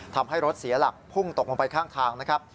ทำให้รถเสียหลักพุ่งตกลงไปข้างทางนะครับ